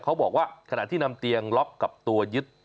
เขาบอกว่าขณะที่นำเตียงล็อกกับตัวยึด